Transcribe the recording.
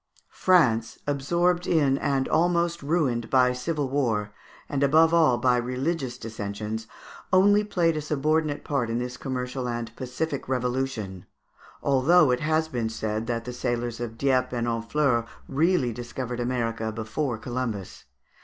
France, absorbed in, and almost ruined by civil war, and above all by religious dissensions, only played a subordinate part in this commercial and pacific revolution, although it has been said that the sailors of Dieppe and Honfleur really discovered America before Columbus.